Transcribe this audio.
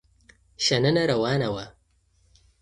شننه روانه وه.